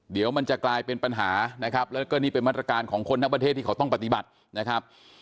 เดี๋ยวมันจะกลายเป็นปัญหานะครับแล้วก็นี่เป็นมาตรการของคนทั้งประเทศที่เขาต้องปฏิบัตินะครับ